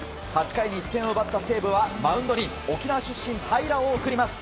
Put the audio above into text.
８回に１点を奪った西武はマウンドに沖縄出身平良を送ります。